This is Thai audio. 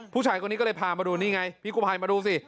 ผู้ชายคนนี้ก็เลยพามาดูนี่ไงพี่กู้ภัยมาดูสิ